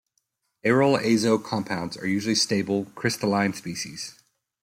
Aryl azo compounds are usually stable, crystalline species.